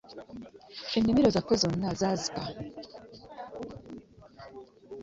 Ennimiro zaffe zonna zaazika.